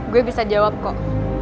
gue bisa jawab kok